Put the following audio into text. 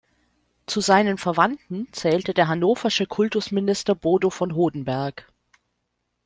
Zu seinen Verwandten zählte der hannoversche Kultusminister Bodo von Hodenberg.